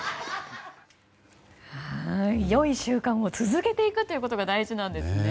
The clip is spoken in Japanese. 良い習慣を続けていくことが大事なんですね。